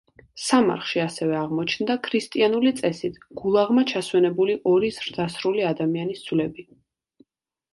სამარხში ასევე აღმოჩნდა ქრისტიანული წესით, გულაღმა ჩასვენებული ორი ზრდასრული ადამიანის ძვლები.